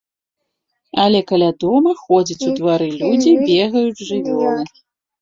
Але каля дома ходзяць у двары людзі, бегаюць жывёлы.